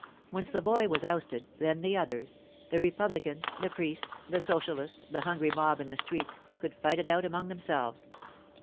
When Savoy was ousted, then the others—the republicans, the priests, the socialists, the hungry mob in the streets—could fight it out among themselves.